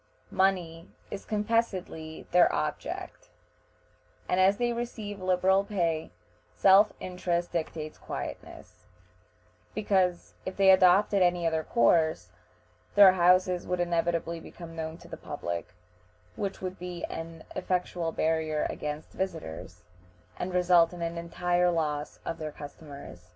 Money is confessedly their object, and, as they receive liberal pay, self interest dictates quietness, because if they adopted any other course, their houses would inevitably become known to the public, which would be an effectual barrier against visitors, and result in an entire loss of their customers.